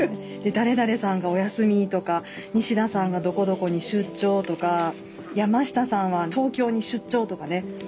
誰々さんがお休みとか西田さんがどこどこに出張とか山下さんは東京に出張とかね。